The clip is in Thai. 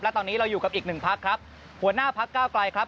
และตอนนี้เราอยู่กับอีกหนึ่งพักครับหัวหน้าพักเก้าไกลครับ